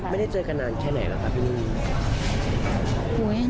ไม่ได้เจอกันนานแค่ไหนล่ะค่ะพี่นี่